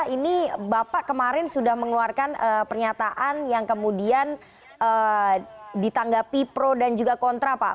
ini bapak kemarin sudah mengeluarkan pernyataan yang kemudian ditanggapi pro dan juga kontra pak